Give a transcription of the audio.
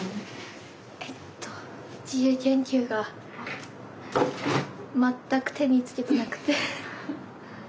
えっと自由研究が全く手につけてなくて。